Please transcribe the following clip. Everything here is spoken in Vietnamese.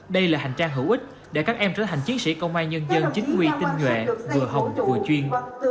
đây là hành trang hữu ích để các em trở thành chiến sĩ công an nhân dân chính quy tinh nhuệ vừa hồng vừa chuyên